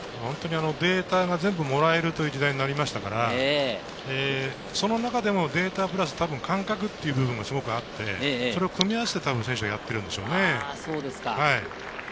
データが全部もらえる時代になりましたから、その中でデータプラス感覚という部分があって、それを組み合わせて選手はやっているんでしょうね。